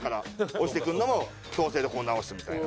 落ちてくるのも矯正でここを治すみたいな。